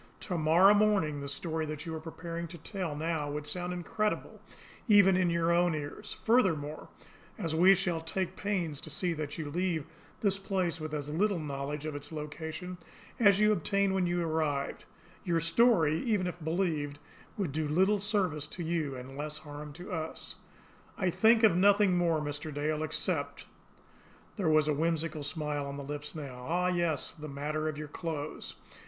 To morrow morning the story that you are preparing to tell now would sound incredible even in your own ears; furthermore, as we shall take pains to see that you leave this place with as little knowledge of its location as you obtained when you arrived, your story, even if believed, would do little service to you and less harm to us. I think of nothing more, Mr. Dale, except " There was a whimsical smile on the lips now. "Ah, yes, the matter of your clothes.